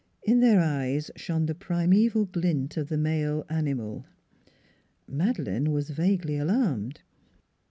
In their eyes shone the primeval glint of the male animal. Madeleine was vaguely alarmed.